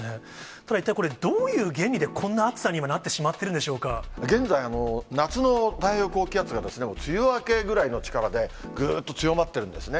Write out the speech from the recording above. ただ一体、これは一体どういう原因でこんな暑さに今なってしまってるんでし現在、夏の太平洋高気圧が梅雨明けぐらいの力で、ぐーっと強まってるんですね。